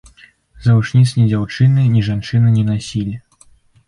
Завушніц ні дзяўчыны, ні жанчыны не насілі.